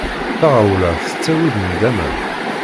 Taɣawla tettawi-d nndama.